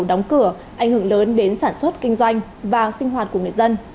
đóng cửa ảnh hưởng lớn đến sản xuất kinh doanh và sinh hoạt của người dân